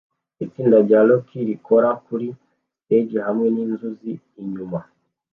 Itsinda rya rock rikora kuri stage hamwe ninzuzi inyuma